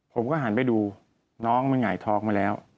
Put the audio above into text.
ผมก็หันไปดูน้องมันหงายท้องมาแล้ว